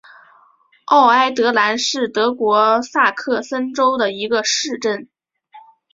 奥埃德兰是德国萨克森州的一个市镇。